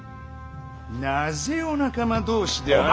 なぜお仲間同士で争う。